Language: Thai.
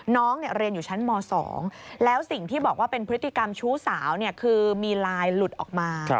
น้องเรียนอยู่ชั้นม๒แล้วสิ่งที่บอกว่าเป็นพฤติกรรมชู้สาวคือมีลายหลุดออกมา